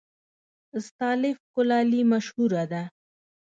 استالف کلالي مشهوره ده؟